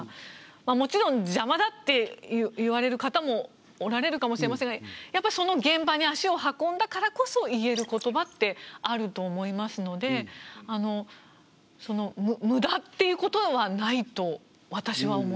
もちろん邪魔だって言われる方もおられるかもしれませんがやっぱりその現場に足を運んだからこそ言える言葉ってあると思いますので無駄っていうことはないと私は思います。